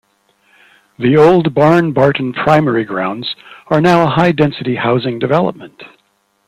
The old Barne Barton Primary grounds are now a high density housing development.